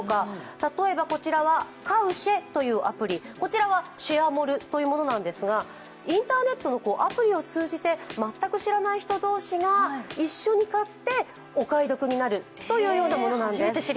例えばこちらはＫＡＵＣＨＥというアプリ、こちらはＳｈａｒｅｍａｌｌというものなんですが、インターネットのアプリを通じて全く知らない人同士が一緒に買ってお買い得になるというようなものなんです。